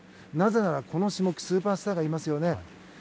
なぜなら、この種目スーパースターがいますよね。